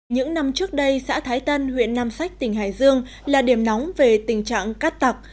những năm trước đây xã thái tân huyện nam sách tỉnh hải dương là điểm nóng về tình trạng cát tặc